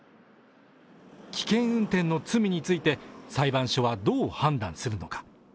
危険運転の罪について裁判所はどう判断するのか。